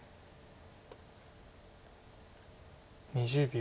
２０秒。